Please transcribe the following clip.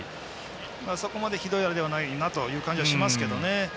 そこまで、ひどいあれではないという気はしますけど。